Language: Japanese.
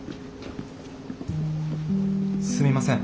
すみません。